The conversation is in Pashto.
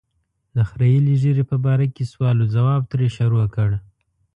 د خرییلې ږیرې په باره کې سوال او ځواب ترې شروع کړ.